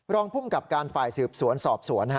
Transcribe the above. รองภูมิกับการฝ่ายสืบสวนสอบสวน